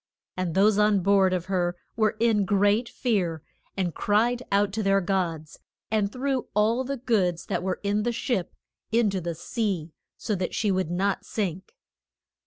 And those on board of her were in great fear, and cried out to their gods, and threw all the goods that were in the ship in to the sea, so that she would not sink.